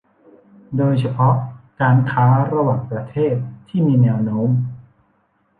โดยเฉพาะการค้าระหว่างประเทศที่มีแนวโน้ม